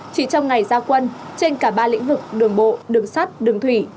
chỉ trong ngày gia quân trên cả ba lĩnh vực đường bộ đường sắt đường thủy